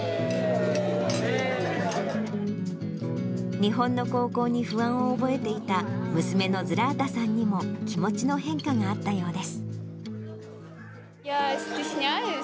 日本の高校に不安を覚えていた娘のズラータさんにも気持ちの変化があったようです。